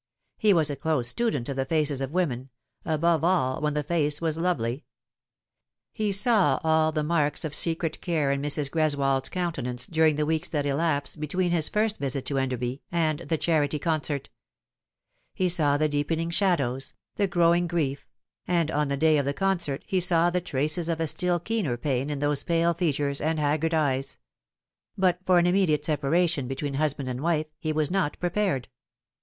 He was a close student of the faces of women ; above all, when the face was lovely. He saw all the marks of secret care in Mrs. Greswold's countenance during the weeks that elapsed between his first visit to Enderby and th* The Time has Come. 218 charity concert. He saw the deepening shadows, the growing grief, and on the day of the concert he saw the traces of a still keener pain in those pale features and haggard eyes ; but for an immediate separation between husband and wife he was not prepared.